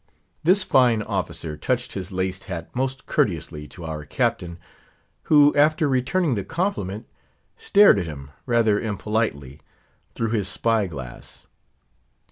This fine officer touched his laced hat most courteously to our Captain, who, after returning the compliment, stared at him, rather impolitely, through his spy glass.